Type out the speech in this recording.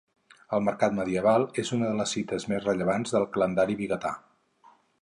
El Mercat Medieval és una de les cites més rellevants del calendari vigatà